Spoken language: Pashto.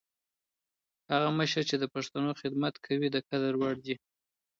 هغه مشر چي د پښتنو خدمت کوي، د قدر وړ دی.